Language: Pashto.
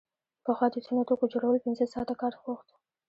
پخوا د ځینو توکو جوړول پنځه ساعته کار غوښت